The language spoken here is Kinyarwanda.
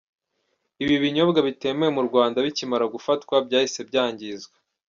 Ibi binyobwa bitemewe mu Rwanda bikimara gufatwa byahise byangizwa.